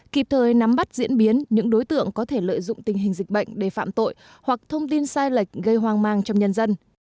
kịp thời nắm bắt diễn biến những đối tượng có thể lợi dụng tình hình dịch bệnh để phạm tội hoặc thông tin sai lệch gây hoang mang trong nhân dân